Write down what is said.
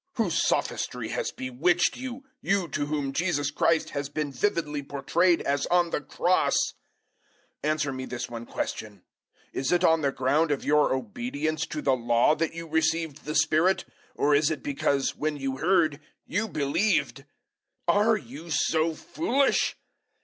Whose sophistry has bewitched you you to whom Jesus Christ has been vividly portrayed as on the Cross? 003:002 Answer me this one question, "Is it on the ground of your obedience to the Law that you received the Spirit, or is it because, when you heard, you believed?" 003:003 Are you so foolish?